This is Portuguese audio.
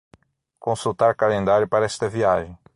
Consultar calendário para esta viagem.